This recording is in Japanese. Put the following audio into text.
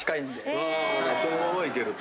あそのまま行けると。